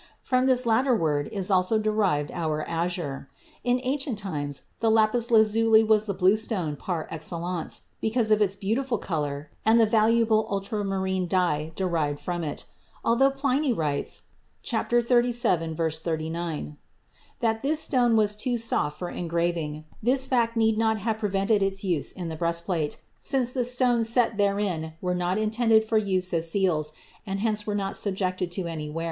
From this latter word is also derived our "azure." In ancient times the lapis lazuli was the blue stone par excellence, because of its beautiful color and the valuable ultramarine dye derived from it. Although Pliny writes (xxxvii, 39) that this stone was too soft for engraving, this fact need not have prevented its use in the breastplate, since the stones set therein were not intended for use as seals and hence were not subjected to any wear.